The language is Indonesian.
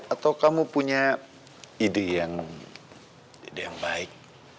atau kamu punya ide yang baik